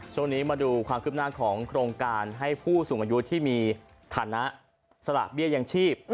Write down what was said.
ช่วงนี้มาดูความคืบหน้าของโครงการให้ผู้สูงอายุที่มีฐานะสละเบี้ยยังชีพ